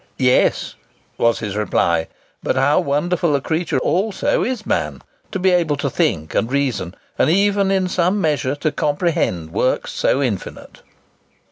"Yes!" was his reply; "but how wonderful a creature also is man, to be able to think and reason, and even in some measure to comprehend works so infinite!"